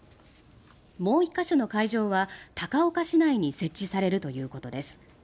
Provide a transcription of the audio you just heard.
もう１か所の会場は高岡市内に設置されるということです。